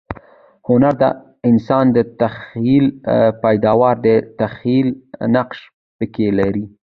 هنر د انسان د تخییل پیداوار دئ. تخییل نقش پکښي لري.